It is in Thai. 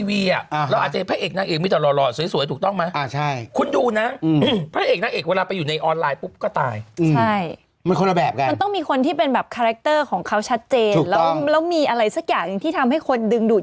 มีเอกลักษณ์เป็นของตัวเองมีกิมมิกเป็นของตัวเอง